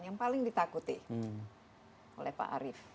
yang paling ditakuti oleh pak arief